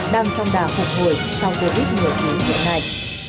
đang trong đà phục hồi sau covid một mươi chín hiện nay